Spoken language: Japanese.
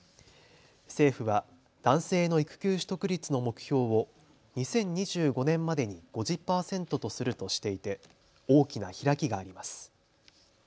政府は男性の育休取得率の目標を２０２５年までに５０％とするとしていて、大きな開きがあります。